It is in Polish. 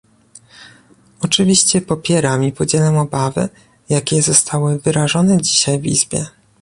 Oczywiście popieram i podzielam obawy, jakie zostały wyrażone dzisiaj w Izbie